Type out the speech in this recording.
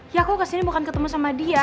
ya aku kesini bukan ketemu sama dia